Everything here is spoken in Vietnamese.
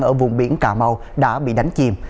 ở vùng biển cà mau đã bị đánh chìm